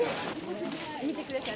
見てください。